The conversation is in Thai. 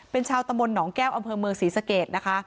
เป็นชาวตำบลหนองแก้วอำเภอเมืองศรีสะเกดนะคะ